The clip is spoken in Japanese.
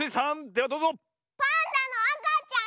パンダのあかちゃん？